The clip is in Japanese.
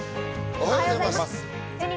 おはようございます。